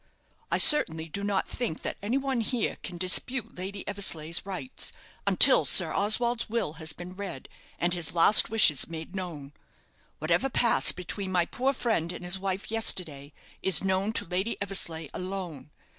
"I certainly do not think that any one here can dispute Lady Eversleigh's rights, until Sir Oswald's will has been read, and his last wishes made known. Whatever passed between my poor friend and his wife yesterday is known to Lady Eversleigh alone.